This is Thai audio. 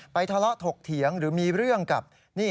ทะเลาะถกเถียงหรือมีเรื่องกับนี่